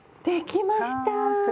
できました！